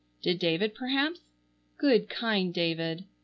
Did David perhaps? Good kind David!